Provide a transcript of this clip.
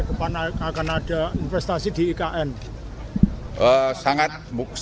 apakah juga kemungkinan ke depan akan ada investasi di ikn